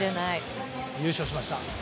優勝しました。